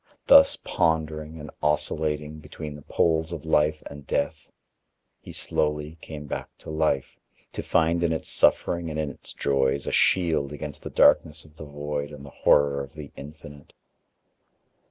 Thus pondering and oscillating between the poles of Life and Death, he slowly came back to life, to find in its suffering and in its joys a shield against the darkness of the void and the horror of the Infinite.